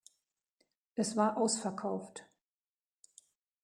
Es war ausverkauft.